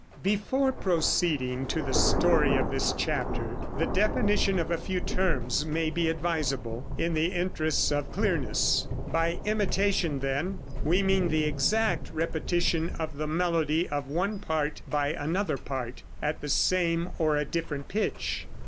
Before proceeding to the story of this chapter, the definition of a few terms may be advisable, in the interests of clearness. By "imitation," then, we mean the exact repetition of the melody of one part by another part, at the same or a different pitch.